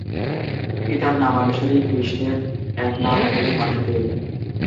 পিতার নামানুসারেই কৃষ্ণের এক নাম হল বাসুদেব।